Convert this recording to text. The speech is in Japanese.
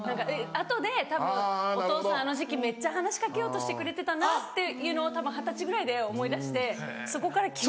あとでたぶん「お父さんあの時期めっちゃ話し掛けようとしてくれてたな」っていうのをたぶん二十歳ぐらいで思い出してそこから。